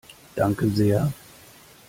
Danke sehr!